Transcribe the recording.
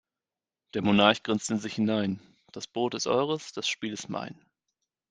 Der Monarch grinst in sich hinein: Das Brot ist eures, das Spiel ist mein.